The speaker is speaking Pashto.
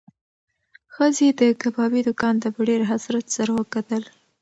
ښځې د کبابي دوکان ته په ډېر حسرت سره وکتل.